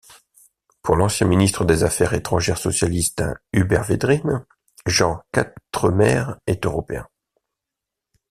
Pour l'ancien ministre des Affaires étrangères socialiste Hubert Védrine, Jean Quatremer est européen.